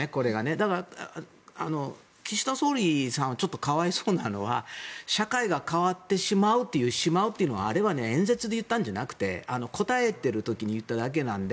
だから、岸田総理さんがちょっとかわいそうなのは社会が変わってしまうという「しまう」というのはあれは演説で言ったんじゃなくて答えている時に言っただけなので。